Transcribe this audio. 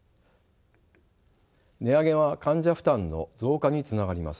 値上げは患者負担の増加につながります。